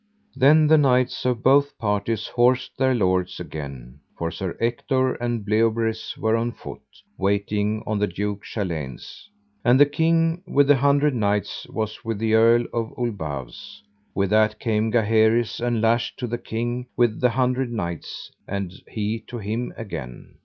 Then the knights of both parties horsed their lords again, for Sir Ector and Bleoberis were on foot, waiting on the Duke Chaleins. And the King with the Hundred Knights was with the Earl of Ulbawes. With that came Gaheris and lashed to the King with the Hundred Knights, and he to him again.